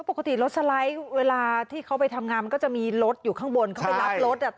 ปกติรถสไลด์เวลาที่เขาไปทำงานมันก็จะมีรถอยู่ข้างบนเขาไปรับรถ